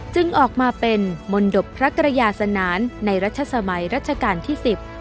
ออกมาเป็นมนตบพระกรยาสนานในรัชสมัยรัชกาลที่สิบ